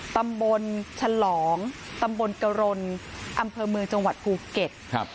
ตำบลฉลองตำบลกรณอำเภอเมืองจังหวัดภูเก็ตครับ